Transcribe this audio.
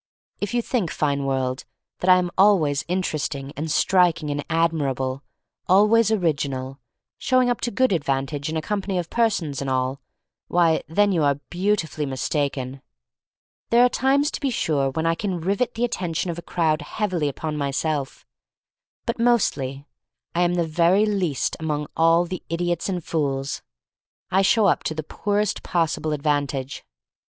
If you think, fine world, that I am always interesting and striking and ad mirable, always original, showing up to good advantage in a company of per sons, and all — ^why, then you are beau tifully mistaken. There are times, to be sure, when I can rivet the attention THE STORY OF MARY MAC LANE 26 1 of the crowd heavily upon myself. But mostly I am the very least among all the idiots and fools. I show up to the poorest possible advantage.